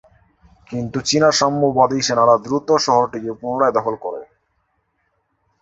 কিন্তু চীনা সাম্যবাদী সেনারা দ্রুত শহরটিকে পুনরায় দখল করে।